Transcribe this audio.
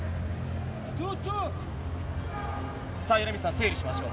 米満さん、整理しましょう。